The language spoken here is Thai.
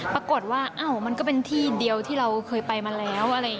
ปรากฏว่ามันก็เป็นที่เดียวที่เราเคยไปมาแล้ว